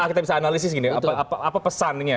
kita bisa analisis gini apa pesannya